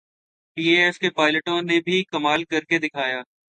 P A F کے پائلٹوں نے بھی کمال کرکے دکھایا۔